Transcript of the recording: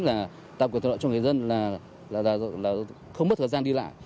là tạm quyền tổ chức cho người dân là không mất thời gian đi lại